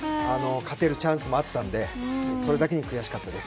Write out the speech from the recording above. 勝てるチャンスもあったのでそれだけに悔しかったです。